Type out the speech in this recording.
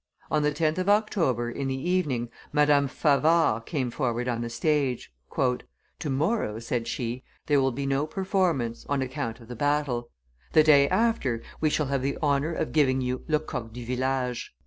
On the 10th of October, in the evening, Madame Favart came forward on the stage. "To morrow," said she, "there will be no performance, on account of the battle: the day after, we shall have the honor of giving you Le Coq du Village."